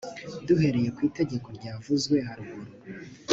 duhereye ku itegeko ryavuzwe haruguru